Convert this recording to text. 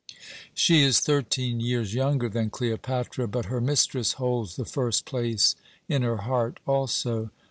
She is thirteen years younger than Cleopatra, but her mistress holds the first place in her heart also.